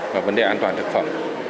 và vấn đề an toàn thực phẩm